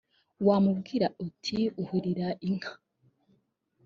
wamubwira uti ahirira inka